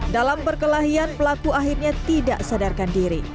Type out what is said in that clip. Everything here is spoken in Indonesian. dalam perkelahian pelaku akhirnya tidak sadarkan diri